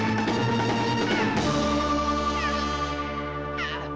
あっ。